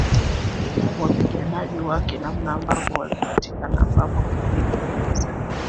wapiganaji wake namna ambavyo walipatikana ambapo nilieleza